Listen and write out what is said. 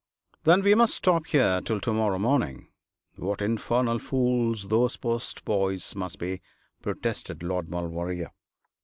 'Then we must stop here till to morrow morning. What infernal fools those post boys must be,' protested Lord Maulevrier.